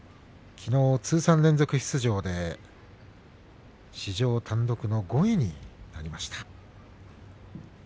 きのう、通算連続出場で史上単独の５位になりました。